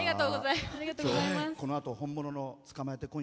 このあと、本物の「捕まえて、今夜。」